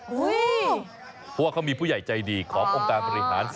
เพราะว่าเขามีผู้ใหญ่ใจดีขององค์การบริหาร